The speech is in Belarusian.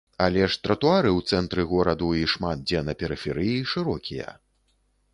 Але ж тратуары ў цэнтры гораду і шмат дзе на перыферыі шырокія.